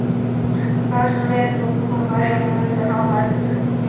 但是种类之间的杂交可以使植物含有的色素体不同于正常繁殖。